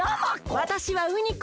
わたしはウニコ。